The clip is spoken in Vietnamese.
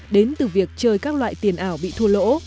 đến từ việc chơi các loại tiền ảo bị thua lỗ